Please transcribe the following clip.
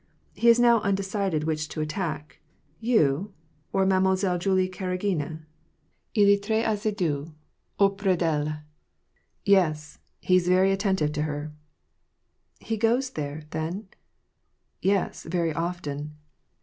He is now undecided which to attack: you, or Mademoiselle Julie Karaguine. R est tr^ dssidu auprh d^elle — yes, he's very attentive to her "—" He goes there, then ?" "Yes, very often.